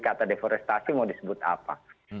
kata deforestasi mau disebut apa